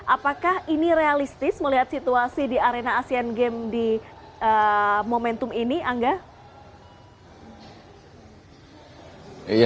apakah ini realistis melihat situasi di arena asean games di momentum ini angga